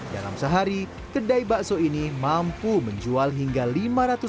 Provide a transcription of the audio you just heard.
dalam sehari kedai bakso ini mampu menjual hingga lalu